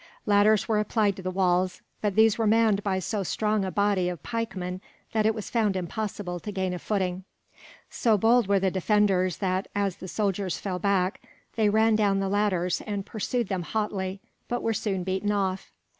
Ladders were applied to the walls, but these were manned by so strong a body of pikemen that it was found impossible to gain a footing. So bold were the defenders that, as the soldiers fell back, they ran down the ladders and pursued them hotly; but were soon beaten off.